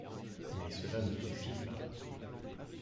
Mais cela ne suffit pas.